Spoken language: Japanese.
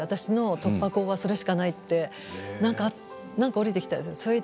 突破口はあれしかないって何か降りてきたんです。